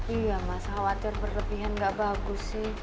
iya mas khawatir berlebihan gak bagus sih